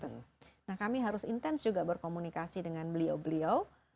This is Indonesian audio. nah kami harus intens juga berkomunikasi dengan beliau beliau